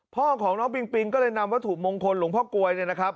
พ่อของน้องปิงปิงก็เลยนำวัตถุมงคลหลวงพ่อกลวยเนี่ยนะครับ